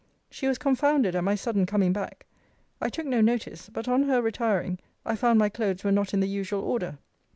She was confounded at my sudden coming back. I took no notice: but on her retiring, I found my cloaths were not in the usual order.